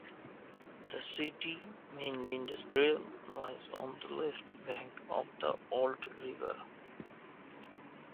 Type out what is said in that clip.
The city, mainly industrial, lies on the left bank of the Olt river.